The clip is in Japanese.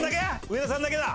上田さんだけだ。